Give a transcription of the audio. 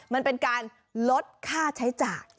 มันเป็นการลดค่าใช้จ่าย